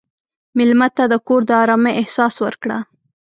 مېلمه ته د کور د ارامۍ احساس ورکړه.